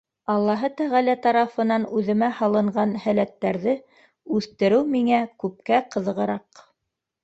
Аллаһы Тәғәлә тарафынан үҙемә һалынған һәләттәрҙе үҫтереү миңә күпкә ҡыҙығыраҡ.